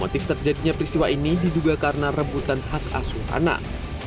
motif terjadinya peristiwa ini diduga karena rebutan hak asuh anak